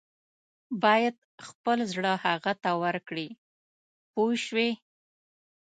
باید خپل زړه هغه ته ورکړې پوه شوې!.